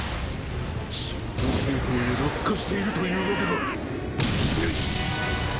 進行方向へ落下しているというわけか！